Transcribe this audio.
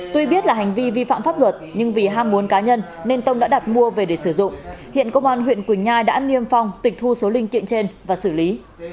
tuy biết là hành vi vi phạm pháp luật nhưng vì ham muốn cá nhân nên tông đã đặt mua về để sử dụng hiện công an huyện quỳnh nhai đã niêm phong tịch thu số linh kiện trên và xử lý